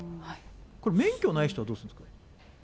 これ、免許ない人はどうするんですか？